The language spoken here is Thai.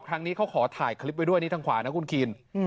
ครั้งนี้เขาขอถ่ายคลิปไว้ด้วยนี่ทางขวานะคุณคิง